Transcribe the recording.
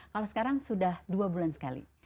kalau sekarang sudah dua bulan sekali